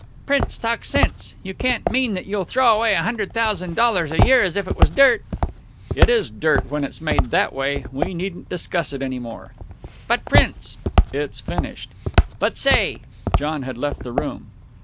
"Prince, talk sense! You can't mean that you'll throw away a hundred thousand dollars a year as if it was dirt!" "It is dirt when it's made that way. We needn't discuss it any more." "But, Prince!" "It's finished." "But, say !" John had left the room.